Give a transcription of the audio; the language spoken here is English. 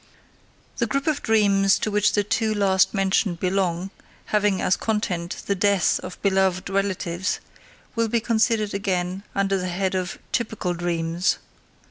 The group of dreams to which the two last mentioned belong, having as content the death of beloved relatives, will be considered again under the head of "Typical Dreams."